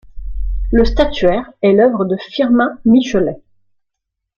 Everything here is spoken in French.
La statuaire est l'œuvre de Firmin Michelet.